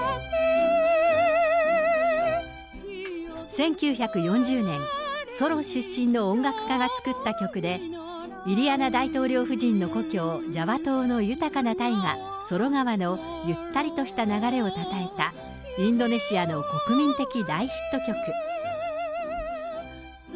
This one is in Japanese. １９４０年、ソロ出身の音楽家が作った曲で、イリアナ大統領夫人の故郷、ジャワ島の豊かな大河、ソロ川のゆったりとした流れをたたえたインドネシアの国民的大ヒット曲。